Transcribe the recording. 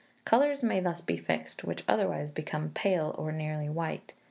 Colours may thus be fixed, which otherwise become pale, or nearly white.